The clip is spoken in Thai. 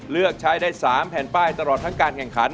เลือกใช้ได้๓แผ่นป้ายตลอดทั้งการแข่งขัน